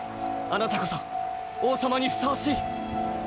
あなたこそ王様にふさわしい。